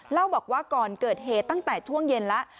เล่าบอกว่าก่อนเกิดเหตุตั้งแต่ช่วงเย็นแล้ว